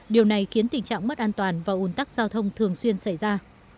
điều này khiến tình trạng mất an toàn và ủn tắc giao thông thường xuyên xảy ra